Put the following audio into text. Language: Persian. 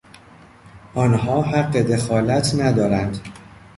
آنها حق دخالت ندارند.